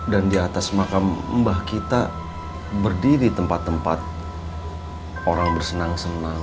dan di atas makam mbah kita berdiri tempat tempat orang bersenang senang